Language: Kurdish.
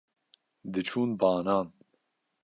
diçûn banan